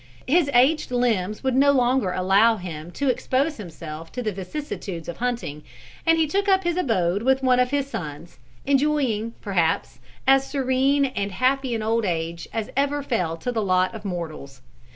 His aged limbs would no longer allow him to expose himself to the vicissitudes of hunting, and he took up his abode with one of his sons, enjoying, perhaps, as serene and happy an old age as ever fell to the lot of mortals.